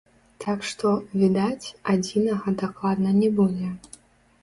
Так што, відаць, адзінага дакладна не будзе.